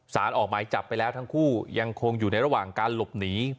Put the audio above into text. สารออกหมายจับไปแล้วทั้งคู่ยังคงอยู่ในระหว่างการหลบหนี